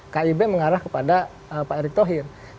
kib mengarah kepada pak erick thohir